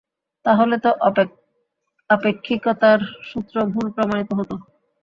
তাহলে তো আপেক্ষিকতার সূত্র ভুল প্রমাণিত হতো।